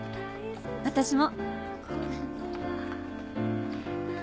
私も。